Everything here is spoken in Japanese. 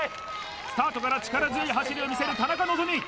スタートから力強い走りを見せる田中希実